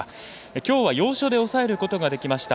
きょうは要所で抑えることができました。